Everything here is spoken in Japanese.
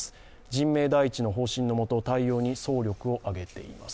人命第一の方針のもと対応に総力を挙げています。